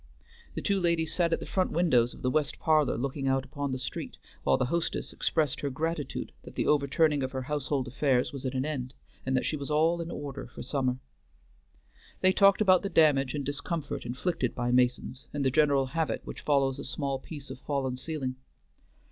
The two ladies sat at the front windows of the west parlor looking out upon the street, while the hostess expressed her gratitude that the overturning of her household affairs was at an end, and that she was all in order for summer. They talked about the damage and discomfort inflicted by masons, and the general havoc which follows a small piece of fallen ceiling.